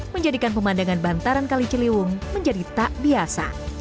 menjadikan pemandangan bantaran kaliciliwung menjadi tak biasa